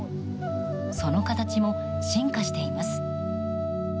その形も進化しています。